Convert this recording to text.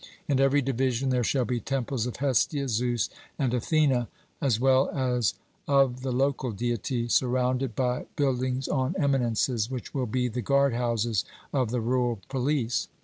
In every division there shall be temples of Hestia, Zeus, and Athene, as well as of the local deity, surrounded by buildings on eminences, which will be the guard houses of the rural police.